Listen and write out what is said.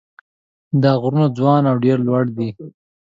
دا غرونه ځوان او ډېر لوړ دي.